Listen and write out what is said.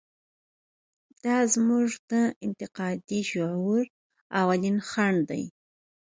دا زموږ د انتقادي شعور اولین خنډ دی.